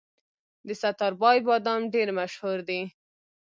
د ستاربای بادام ډیر مشهور دي.